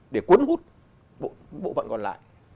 để cuốn hút bộ phận còn lại